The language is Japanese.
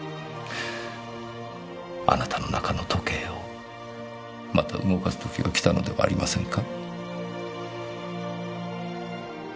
あなたの中の時計をまた動かす時がきたのではありませんか？